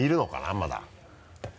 まだ。